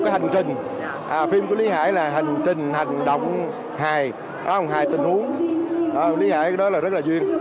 cái hành trình phim của lý hải là hành trình hành động hài hài tình huống lý hải đó là rất là duyên